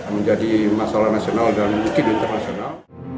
menjadi masalah nasional dan mungkin internasional